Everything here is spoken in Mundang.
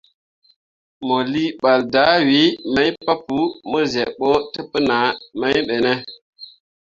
Mo lii ɓal dahwii mai papou mo zyeb ɓo təpənah mai ɓe ne?